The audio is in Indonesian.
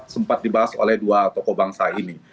sempat dibahas oleh dua tokoh bangsa ini